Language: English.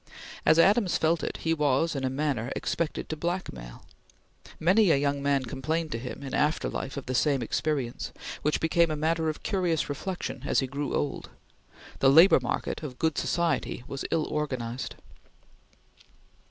As Adams felt it, he was in a manner expected to blackmail. Many a young man complained to him in after life of the same experience, which became a matter of curious reflection as he grew old. The labor market of good society was ill organized.